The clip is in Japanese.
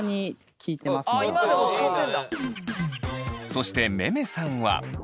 そしてめめさんは。